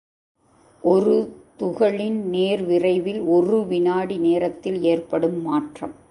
ஒரு துகளின் நேர்விரைவில் ஒரு வினாடி நேரத்தில் ஏற்படும் மாற்றம்.